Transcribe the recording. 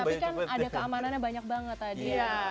tapi kan ada keamanannya banyak banget tadi ya